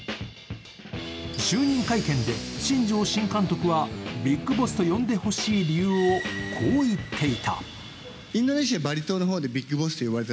就任会見で新庄新監督はビッグボスと呼んでほしい理由をこう言っていた。